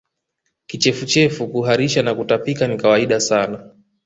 Kichefuchefu kuharisha na kutapika ni kawaida sana